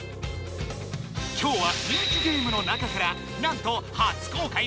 今日は人気ゲームの中からなんと初公開のとくべつ版まで！